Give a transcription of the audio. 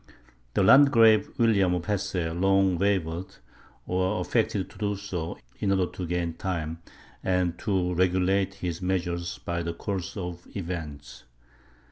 The Landgrave William of Hesse long wavered, or affected to do so, in order to gain time, and to regulate his measures by the course of events.